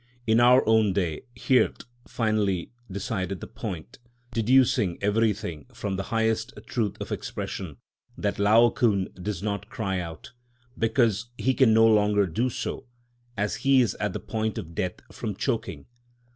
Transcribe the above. In our own day Hirt (Horen, 1797, tenth St.) finally decided the point, deducing everything from the highest truth of expression, that Laocoon does not cry out, because he can no longer do so, as he is at the point of death from choking.